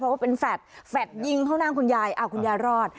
เพราะว่าเป็นแฟดแฟดยิงเข้านั่งคุณยายคุณยายรอด